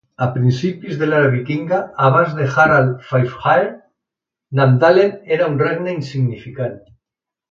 A principis de l'era vikinga, abans de Harald Fairhair, Namdalen era un regne insignificant.